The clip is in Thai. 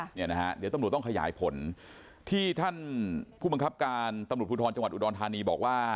เนี่ยนะฮะเดี๋ยวตำรวจต้องขยายผลที่ท่านผู้บังคับการตำรวจภูทรจังหวัดอุดรธานีบอกว่า